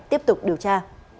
tiếp tục điều tra